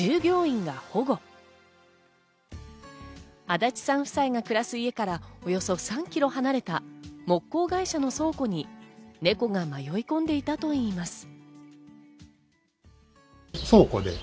足立さん夫妻が暮らす家からおよそ３キロ離れた木工会社の倉庫にネコが迷い込んでいたといいます。